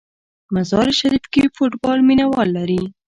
مزار شریف کې فوټبال مینه وال لري.